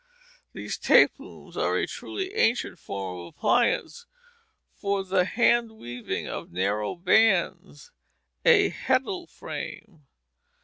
These tape looms are a truly ancient form of appliance for the hand weaving of narrow bands, a heddle frame.